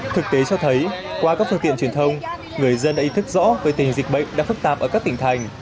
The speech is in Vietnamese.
thực tế cho thấy qua các phương tiện truyền thông người dân đã ý thức rõ về tình dịch bệnh đã phức tạp ở các tỉnh thành